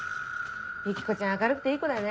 ユキコちゃん明るくていい子だよね。